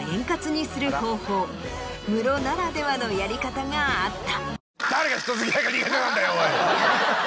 ムロならではのやり方があった。